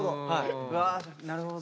「わなるほど」。